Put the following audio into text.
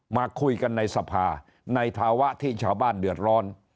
มาคุยกันในสภาในภาวะที่ชาวบ้านเดือดร้อน